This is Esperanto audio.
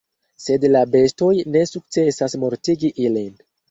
Sed la bestoj ne sukcesas mortigi ilin.